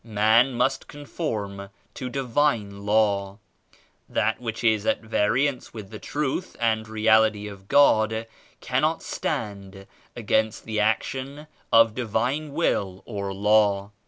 Man must conform to Divine Law. That which is at variance with the Truth and Reality of God cannot stand against the action of Divine Will or Law.